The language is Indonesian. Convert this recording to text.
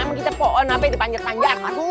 emang kita pohon apa dipanjir panjirkan